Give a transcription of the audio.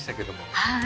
はい。